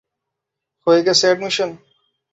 হয়ে গেছে এডমিশন?